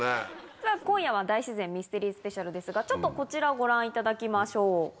さぁ今夜は大自然ミステリースペシャルですがちょっとこちらをご覧いただきましょう。